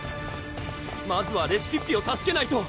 まずはレシピッピを助けないと！